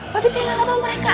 pak tinggal di atas mereka